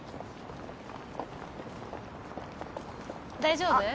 大丈夫？